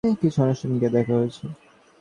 কিছু অনুষ্ঠানে গিয়ে দেখা হয়েছে।